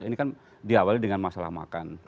ini kan diawali dengan masalah makan